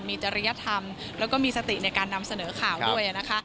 มีจริยธรรมแล้วก็มีสติในการนำเสนอข่าวด้วยนะคะ